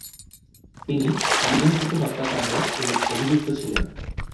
তিনি বিজন সেতু হত্যাকাণ্ড-এ অভিযুক্ত ছিলেন।